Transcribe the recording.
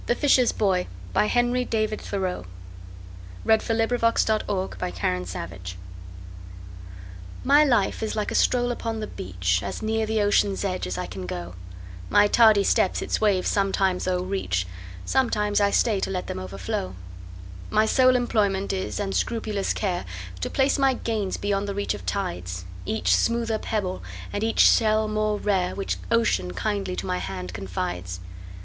An American Anthology, 1787–1900. 1900. By Henry DavidThoreau 301 The Fisher's Boy MY life is like a stroll upon the beach, As near the ocean's edge as I can go; My tardy steps its waves sometimes o'erreach, Sometimes I stay to let them overflow.My sole employment is, and scrupulous care, To place my gains beyond the reach of tides,—Each smoother pebble, and each shell more rare, Which Ocean kindly to my hand confides.